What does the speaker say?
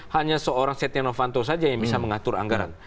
hanya seorang setia novanto saja yang bisa mengatur anggaran